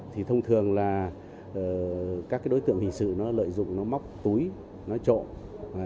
thì thông thường là các đối tượng hình sự lợi dụng nó móc túi nó trộn